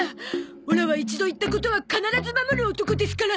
オラは一度言ったことは必ず守る男ですから！